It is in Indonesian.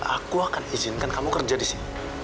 aku akan izinkan kamu kerja di sini